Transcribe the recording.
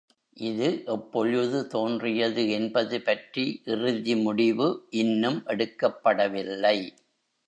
இது எப்பொழுது தோன்றியது என்பது பற்றி இறுதி முடிவு இன்னும் எடுக்கப்படவில்லை.